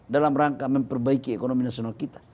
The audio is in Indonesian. dalam rangka memperbaiki ekonomi nasional kita